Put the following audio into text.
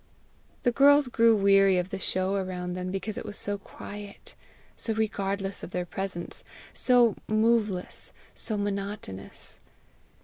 The girls grew weary of the show around them because it was so quiet, so regardless of their presence, so moveless, so monotonous.